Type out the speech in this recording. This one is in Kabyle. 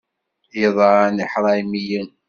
Iḍan d iḥṛaymiyen.